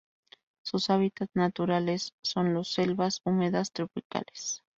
Sus hábitats naturales son los selvas húmedas tropicales.